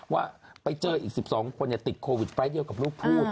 ว่าไปเจออีก๑๒คนอย่าติดโควิดไฟต์เยอะกับรูปพูด